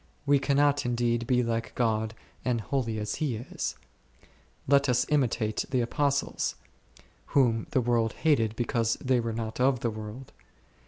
We cannot indeed be like God and holy as He is ; let us imitate the Apostles, whom the world hated because they were not of the world.